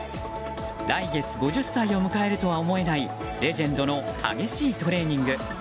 来月５０歳を迎えるとは思えないレジェンドの激しいトレーニング。